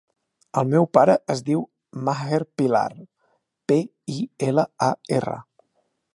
El meu pare es diu Maher Pilar: pe, i, ela, a, erra.